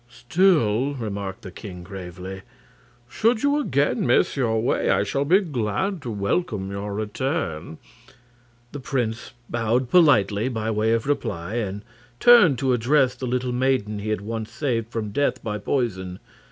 "Still," remarked the king, gravely, "should you again miss your way, I shall be glad to welcome your return." The prince bowed politely by way of reply, and turned to address the little maiden he had once saved from death by poison.